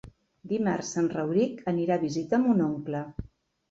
Dimarts en Rauric anirà a visitar mon oncle.